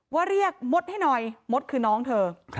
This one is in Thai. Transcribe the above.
ว่าเรียกมดให้หน่อยมดคือน้องเธอ